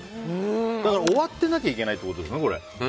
終わってなきゃいけないってことですね。